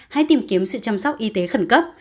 hãy tìm kiếm sự chăm sóc y tế khẩn cấp